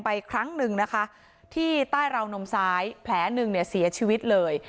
ครั้งหนึ่งนะคะที่ใต้ราวนมซ้ายแผลหนึ่งเนี่ยเสียชีวิตเลย